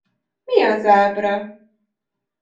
Mi az ábra?